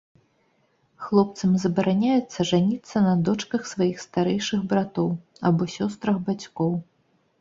Хлопцам забараняецца жаніцца на дочках сваіх старэйшых братоў або сёстрах бацькоў.